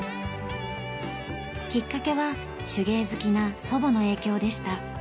きっかけは手芸好きな祖母の影響でした。